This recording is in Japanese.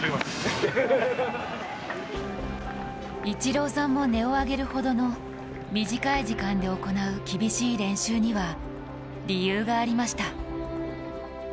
イチローさんも音を上げるほどの短い時間で行う厳しい練習には理由がありました。